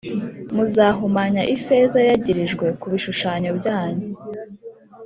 Muzahumanya ifeza yayagirijwe ku bishushanyo byanyu